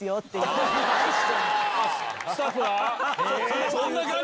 スタッフが？